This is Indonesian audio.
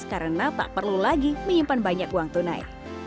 karena tak perlu lagi menyimpan banyak uang tunai